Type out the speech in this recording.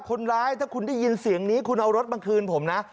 คนร้ายถ้าคุณได้ยินเสียงนี้คุณเอารถมาคืนผมนะ